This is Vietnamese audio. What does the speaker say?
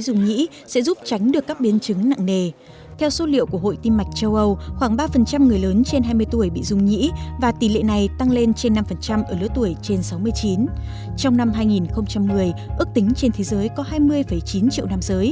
dung nhĩ là một trong những dối loạn về nhịp tim thường gặp nhất